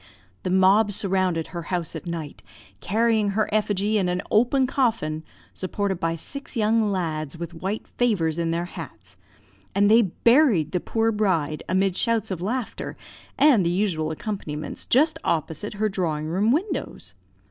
The mob surrounded her house at night, carrying her effigy in an open coffin, supported by six young lads, with white favours in their hats; and they buried the poor bride, amid shouts of laughter, and the usual accompaniments, just opposite her drawing room windows.